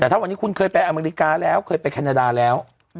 แต่ถ้าวันนี้คุณเคยไปอเมริกาแล้วเคยไปแคนาดาแล้ว